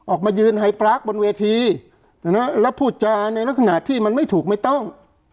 ออกมายืนไฮปรากบนเวทีแล้วพูดจาในลักษณะที่มันไม่ถูกไม่ต้อง